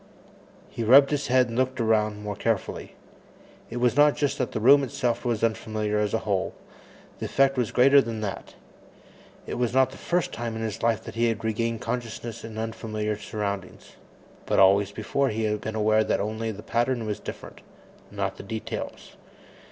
He rubbed his head and looked around more carefully. It was not just that the room itself was unfamiliar as a whole; the effect was greater than that. It was not the first time in his life he had regained consciousness in unfamiliar surroundings, but always before he had been aware that only the pattern was different, not the details.